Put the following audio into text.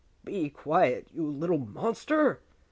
"Be quiet, you little monster!"